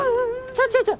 ちょちょ。